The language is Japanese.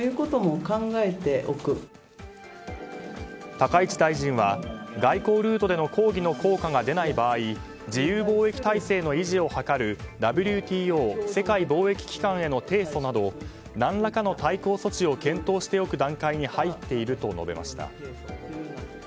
高市大臣は外交ルートでの抗議の効果が出ない場合自由貿易体制の維持を図るＷＴＯ・世界貿易機関への提訴など何らかの対抗措置を検討する段階に入っていると述べました。